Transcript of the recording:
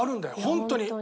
ホントに。